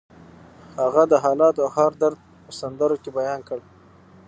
هغه د حالاتو هر درد په سندرو کې بیان کړ